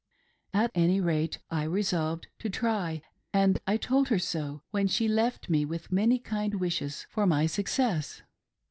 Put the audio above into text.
At any rate, I resolved to try, and I told her so when she left me with many kind wishes for my success.